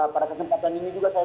pada kesempatan ini juga saya